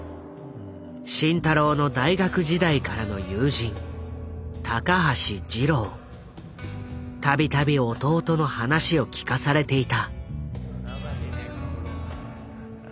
慎太郎の大学時代からの友人度々弟の話を聞かされていた。